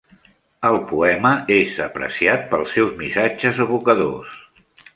El poema és apreciat pels seus missatges evocadors.